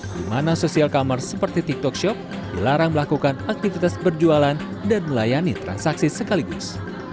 di mana sosial commerce seperti tiktok shop dilarang melakukan aktivitas berjualan dan melayani transaksi sekaligus